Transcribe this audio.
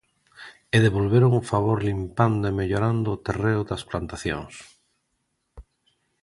E devolveron o favor limpando e mellorando o terreo das plantacións.